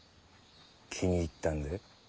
気に入ったんで。